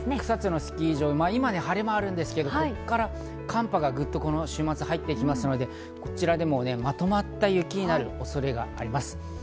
草津のスキー場、今晴れ間があるんですが、ここから寒波がグッと、この週末入ってくるのでこちらでもまとまった雪になる恐れがあります。